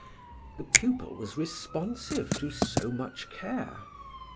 The pupil was responsive to so much care.